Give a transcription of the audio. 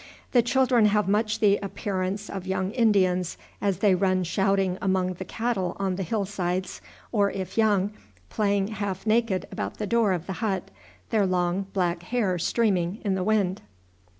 The children have much the appearance of young Indians as they run shouting among the cattle on the hill sides, or, if young, playing half naked about the door of the hut, their long black hair streaming in the wind.